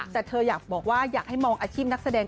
แต่เธออยากบอกว่าอยากให้มองอาชีพนักแสดง